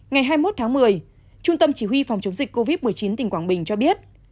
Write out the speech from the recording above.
ngày hai mươi một tháng một mươi trung tâm chỉ huy phòng chống dịch covid một mươi chín tỉnh quảng bình cho biết